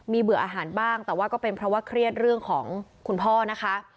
เบื่ออาหารบ้างแต่ว่าก็เป็นเพราะว่าเครียดเรื่องของคุณพ่อนะคะ